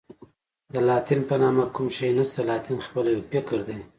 د لاتین په نامه کوم شی نشته، لاتین خپله یو فکر دی.